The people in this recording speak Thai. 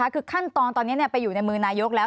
คือขั้นตอนตอนนี้ไปอยู่ในมือนายกแล้ว